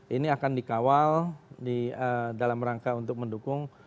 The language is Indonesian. ini akan dikawal dalam rangka untuk mendukung